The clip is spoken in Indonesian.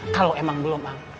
kalau emang belum ang